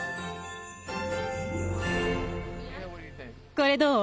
これどう？